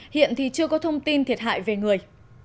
hiện thì chưa có thông tin thiệt hại về người